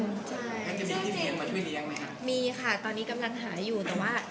มีมีค่ะตอนนี้กำลังหายอยู่